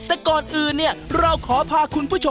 แต่ก่อนอื่นเนี่ยเราขอพาคุณผู้ชม